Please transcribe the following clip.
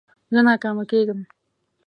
زه ناکامه کېږم.